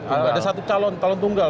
ada satu calon calon tunggal